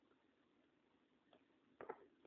তবে তিনি ছিলেন শুধুই রুক্মিনীর স্বামী।